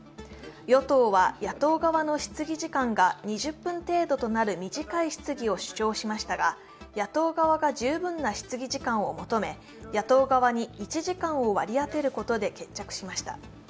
与党は野党側の質疑時間が２０分程度となる短い質疑を主張しましたが野党側が十分な質疑時間を求め野党側に１時間を割り当てることで決着しました。